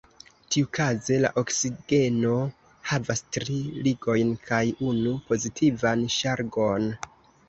Tiukaze, la oksigeno havas tri ligojn kaj unu pozitivan ŝargon.